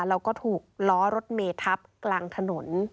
แล้วก็ถูกล้อรถเมทับกลางถนน